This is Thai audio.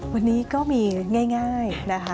วันนี้ก็มีง่ายนะคะ